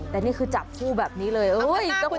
แต่นี่คือจับคู่แบบนี้เลย